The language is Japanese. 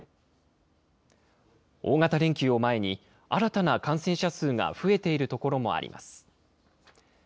大型連休を前に、新たな感染者数が増えているところもあります。